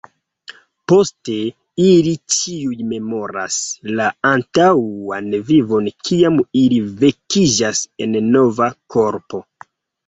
Poste ili ĉiuj memoras la antaŭan vivon kiam ili vekiĝas en nova korpo.